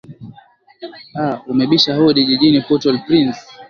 a umebisha hodi jijini portal prince